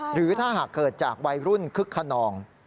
หรือถ้าหากเกิดจากวัยรุ่นคึกขนอง